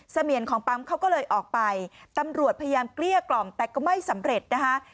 เสมียนของปั๊มเขาก็เลยออกไปตำรวจพยายามเกลี้ยกล่อมแต่ก็ไม่สำเร็จนะคะ